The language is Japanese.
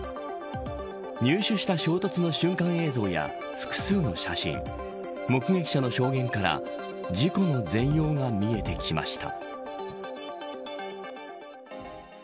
入手した衝突の瞬間映像や複数の写真目撃者の証言から事故の全容が見えてきました。